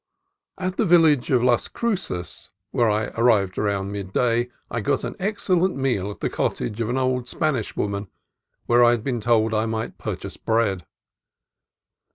At the village of Las Cruces, where I arrived about midday, I got an excellent meal at the cot tage of an old Spanish woman where I had been told I might purchase bread.